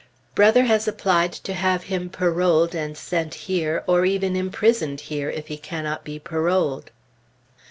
Brother has applied to have him paroled and sent here, or even imprisoned here, if he cannot be paroled.